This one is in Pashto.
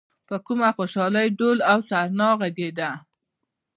په کومه خوشالۍ ډول او سرنا غږېده.